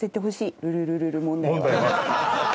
「ルルルルル」問題は。